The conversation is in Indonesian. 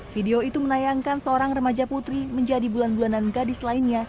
video itu menayangkan seorang remaja putri menjadi bulan bulanan gadis lainnya